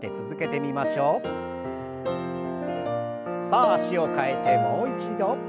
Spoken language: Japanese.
さあ脚を替えてもう一度。